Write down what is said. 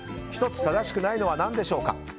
１つ、正しくないのは何でしょうか？